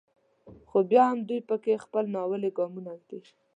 خو بیا هم دوی په کې خپل ناولي ګامونه ږدي.